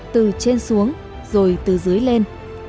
từ trên xuống rồi từ dưới lên